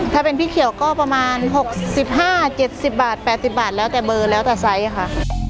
ถ้าเป็นพริกเขียวก็ประมาณหกสิบห้าเจ็ดสิบบาทแปดสิบบาทแล้วแต่เบอร์แล้วแต่ไซส์ค่ะ